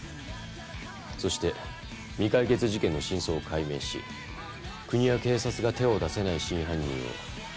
そして未解決事件の真相を解明し国や警察が手を出せない真犯人を始末してもらいたいんです。